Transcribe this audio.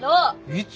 いつ？